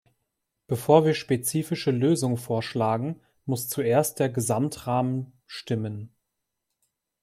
Bevor wir spezifische Lösungen vorschlagen, muss zuerst der Gesamtrahmen stimmen.